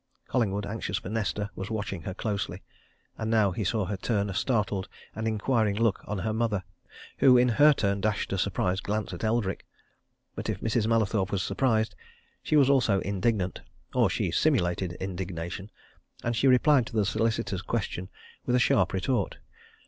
Collingwood, anxious for Nesta, was watching her closely, and now he saw her turn a startled and inquiring look on her mother, who, in her turn, dashed a surprised glance at Eldrick. But if Mrs. Mallathorpe was surprised, she was also indignant, or she simulated indignation, and she replied to the solicitor's question with a sharp retort.